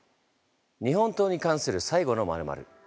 日本刀に関する「最後の○○」。